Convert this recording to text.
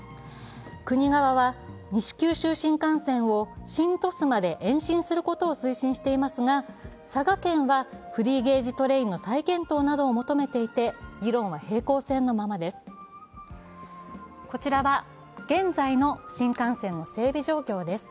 国側は西九州新幹線を新鳥栖まで延伸することを推進していますが、佐賀県はフリーゲージトレインの再検討などを求めていて、議論は平行線のままです。